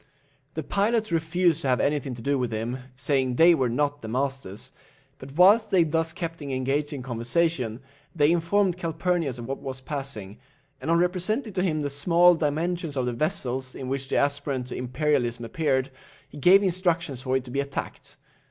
The pilots refused to have anything to do with him, saying they were not the masters; but whilst they thus kept him engaged in conversation, they informed Calphurnius of what was passing, and on representing to him the small dimensions of the vessel in which the aspirant to imperialism appeared, he gave instructions for it to be attacked.